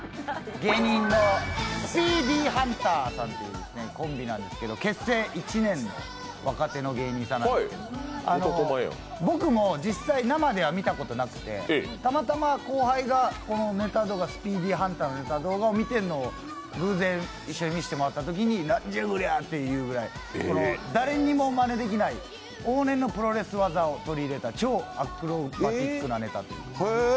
芸人のスピーディーハンターさんというコンビなんですけど結成１年、若手の芸人さんなんですけど僕も実際、生では見たことなくてたまたま後輩がこのネタとかスピーディーハンターの動画を見ているのを偶然一緒に見せてもらったときになんじゃこりゃ！っていうぐらい誰にもまねできない往年のプロレス技を取り入れた超アクロバティックなネタ。